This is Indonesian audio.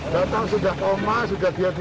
datang sudah koma sudah dia